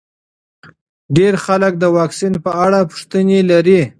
ډېر خلک د واکسین په اړه پوښتنې لري.